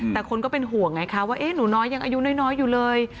แต่คนก็เป็นห่วงไงคะว่าหนูน้อยยังอายุน้อยอยู่เลย